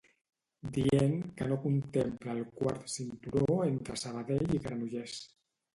Dient que no contempla el Quart Cinturó entre Sabadell i Granollers.